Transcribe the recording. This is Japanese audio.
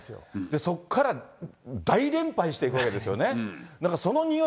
そこから大連敗していくわけですよね。